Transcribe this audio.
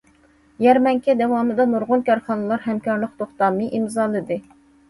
يەرمەنكە داۋامىدا نۇرغۇن كارخانىلار ھەمكارلىق توختامى ئىمزالىدى.